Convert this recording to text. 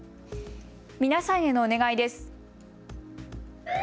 皆さんへのお願いです。